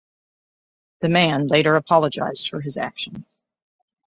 The man later apologised for his actions.